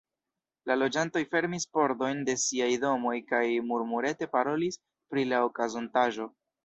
La loĝantoj fermis pordojn de siaj domoj kaj murmurete parolis pri la okazontaĵo.